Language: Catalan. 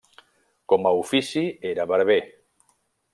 Com a ofici era barber.